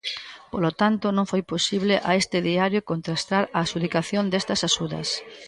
Polo tanto, non foi posible a este diario contrastar a adxudicación destas axudas.